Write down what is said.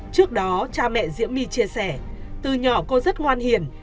trước đó cha mẹ diễm my chia sẻ từ nhỏ cô rất ngoan hiền